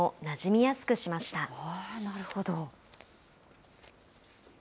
なるほど。